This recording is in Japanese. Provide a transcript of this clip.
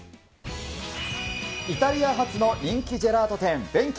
イタリア発の人気ジェラート店、ヴェンキ。